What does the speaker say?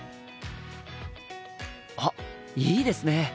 あっいいですね！